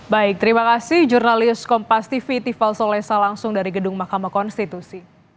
baik terima kasih jurnalis kompas tv tiffel solesa langsung dari gedung mahkamah konstitusi